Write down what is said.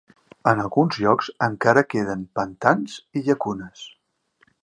En alguns llocs encara queden pantans i llacunes.